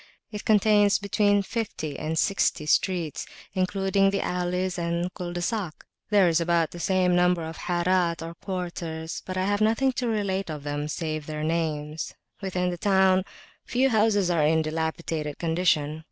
It contains between fifty and sixty streets, including the alleys and culs de sac. There is about the same number of Harat or quarters; but I have nothing to relate of them save their names. Within the town few houses are in a dilapidated condition.